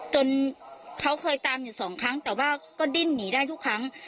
จนเขาเคยตามอยู่สองครั้งแต่ว่าก็ดิ้นหนีได้ทุกครั้ง